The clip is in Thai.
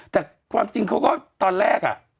แต่ความจริงเขาก็ตอนแรกอะ